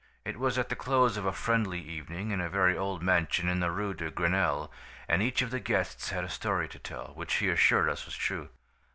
It was at the close of a friendly evening in a very old mansion in the Rue de Grenelle, and each of the guests had a story to tell, which he assured us was true.